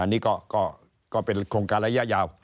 อันนี้ก็เป็นโครงการระยะยาว